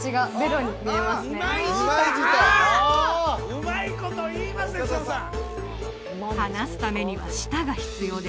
うまいこと言いますね草野さん！